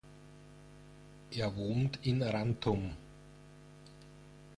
Er wohnt in Rantum.